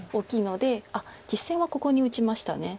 あっ実戦はここに打ちました。